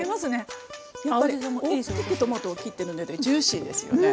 やっぱり大きくトマトを切ってるのでジューシーですよね。